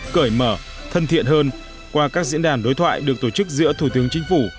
cởi mở thân thiện hơn qua các diễn đàn đối thoại được tổ chức giữa thủ tướng chính phủ